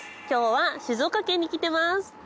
今日は静岡県に来てます！